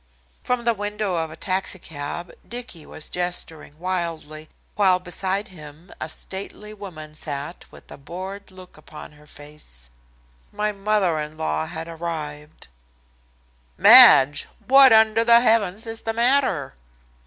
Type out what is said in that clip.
From the window of a taxicab Dicky was gesturing wildly, while beside him a stately woman sat with a bored look upon her face. My mother in law had arrived! "Madge! What under the heavens is the matter?"